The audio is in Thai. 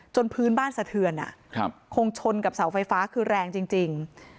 จนพื้นบ้านสะเทือนอ่ะครับคงชนกับเสาไฟฟ้าคือแรงจริงจริง